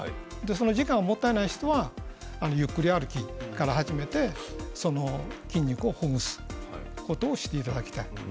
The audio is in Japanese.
その時間がもったいない人はゆっくり歩きから始めて筋肉をほぐす、そういうことをしてほしいと思います。